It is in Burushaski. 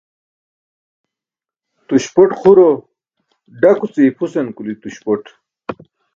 Tuśpot xuro daku ce ipʰusan kuli tuśpot.